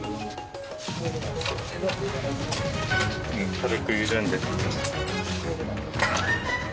軽く緩んでる。